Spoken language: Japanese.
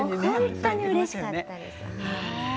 本当にうれしかった。